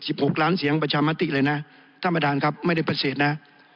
หกล้านเสียงประชามติเลยนะท่านประธานครับไม่ได้ปฏิเสธนะ